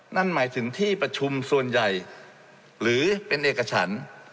นั่นหมายถึงที่ประชุมส่วนใหญ่หรือเป็นเอกฉัน